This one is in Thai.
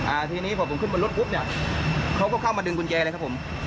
อ่าทีนี้พอผมขึ้นบนรถปุ๊บเนี่ยเขาก็เข้ามาดึงกุญแจเลยครับผม